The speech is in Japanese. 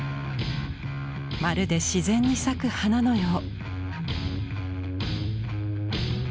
まるで自然に咲く花のよう。